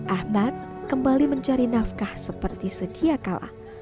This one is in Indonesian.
ahmad kembali mencari nafkah seperti sedia kalah